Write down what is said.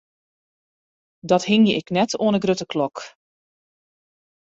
Dat hingje ik net oan 'e grutte klok.